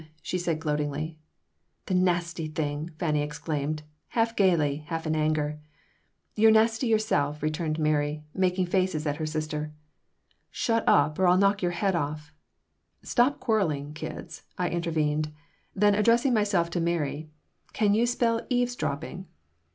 she said, gloatingly "The nasty thing!" Fanny exclaimed, half gaily, half in anger "You're nasty yourself," returned Mary, making faces at her sister "Shut up or I'll knock your head off." "Stop quarreling, kids," I intervened. Then, addressing myself to Mary, "Can you spell 'eavesdropping'?"